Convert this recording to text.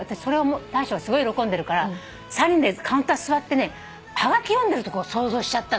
大将がすごい喜んでるから３人でカウンター座ってはがき読んでるとこを想像しちゃったのよ。